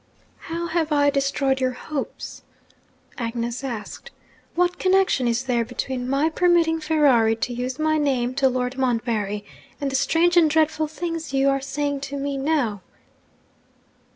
'How have I destroyed your hopes?' Agnes asked. 'What connection is there between my permitting Ferrari to use my name to Lord Montbarry, and the strange and dreadful things you are saying to me now?'